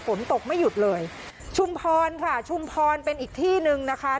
ฝนตกไม่หยุดเลยชุมพรค่ะชุมพรเป็นอีกที่หนึ่งนะคะ